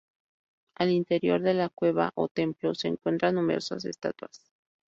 Al interior de la cueva o templo se encuentran numerosas estatuas.